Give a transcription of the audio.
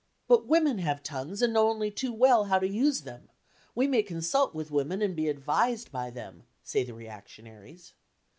"But women have tongues and know only too well how to use them! We may consult with women and be advised by them," say the reactionaries.